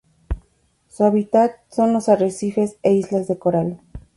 Su hábitat son los arrecifes e islas de coral.